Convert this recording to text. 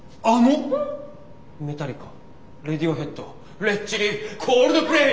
メタリカレディオヘッドレッチリコールドプレイ。